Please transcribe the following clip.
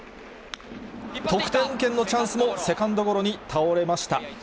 得点圏のチャンスも、セカンドゴロに倒れました。